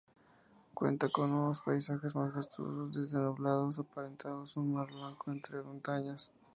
Cuenta con unos paisajes majestuosos, desde nublados aparentando un mar blanco entre montañas.